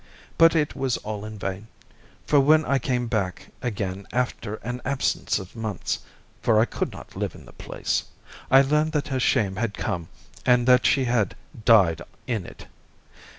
But it was all in vain, for when I came back again after an absence of months—for I could not live in the place—I learned that her shame had come and that she had died in it.